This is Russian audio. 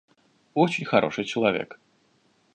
Очень хороший человек.